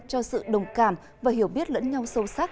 cho sự đồng cảm và hiểu biết lẫn nhau sâu sắc